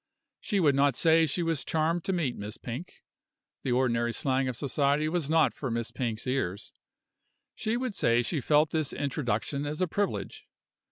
She would not say she was charmed to meet Miss Pink the ordinary slang of society was not for Miss Pink's ears she would say she felt this introduction as a privilege.